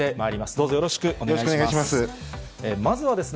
よろしくお願いします。